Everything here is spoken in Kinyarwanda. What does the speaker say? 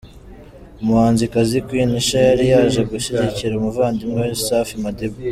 Umuhanzikazi Queen Cha yari yaje gushyigikira umuvandimwe we Safi Madiba.